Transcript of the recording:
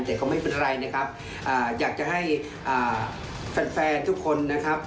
แต่เขาไม่เป็นไรนะครับอยากจะให้แฟนแฟนทุกคนนะครับ